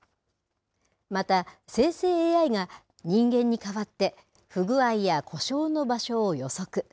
また、生成ＡＩが人間に代わって不具合や故障の場所を予測。